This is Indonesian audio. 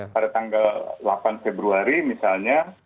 pada tanggal delapan februari misalnya